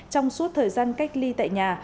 trong suốt thời gian cách ly tại nhà